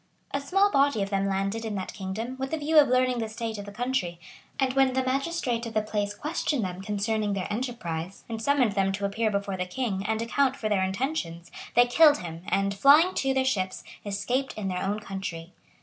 A small body of them landed in that kingdom, with a view of learning the state of the country; and when the magistrate of the place questioned them concerning their enterprise, and summoned them to appear before the king, and account for their intentions, they killed him, and, flying to, their ships, escaped into their own country.